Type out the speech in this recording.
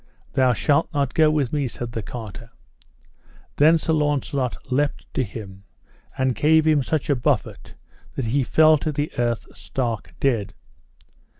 Thou shalt not go with me, said the carter. Then Sir Launcelot leapt to him, and gave him such a buffet that he fell to the earth stark dead.